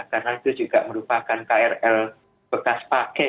karena itu juga merupakan krl bekas pake